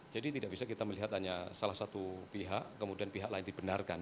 jadi tidak bisa kita melihat hanya salah satu pihak kemudian pihak lain dibenarkan